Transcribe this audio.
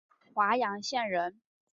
华阳县人。